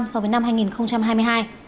so với năm hai nghìn hai mươi hai